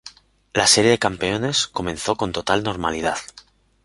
La serie de campeones comenzó con total normalidad.